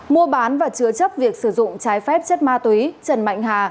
mua bán và chứa chấp việc sử dụng trái phép chất ma túy trần mạnh hà